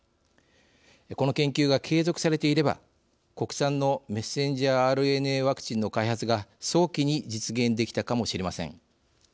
この研究が継続されていれば国産のメッセンジャーＲＮＡワクチンの開発が早期に実現できたかもしれません。